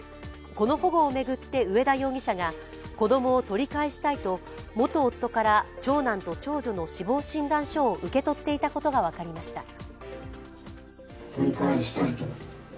この保護を巡って上田容疑者が子供を取り返したいと元夫から長男と長女の死亡診断書を受け取っていたことが分かりました。